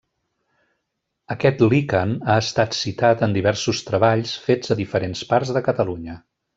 Aquest liquen ha estat citat en diversos treballs fets a diferents parts de Catalunya.